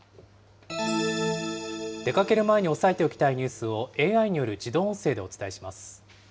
出かける前に押さえておきたいニュースをＡＩによる自動音声